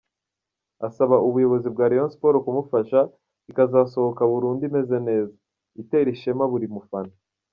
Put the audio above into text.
Asaba ubuyobozi bwa Rayon Sports kumufasha ikazasohoka burundu imeze neza, itera ishema buri mufana.